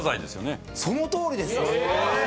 そのとおりです！